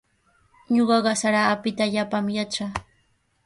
Ñuqaqa sara apita allaapami yatraa.